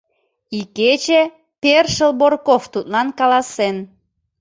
Икече першыл Борков тудлан каласен: